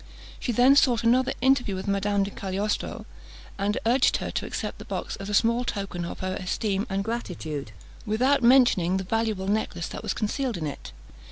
She then sought another interview with Madame di Cagliostro, and urged her to accept the box as a small token of her esteem and gratitude, without mentioning the valuable necklace that was concealed in it.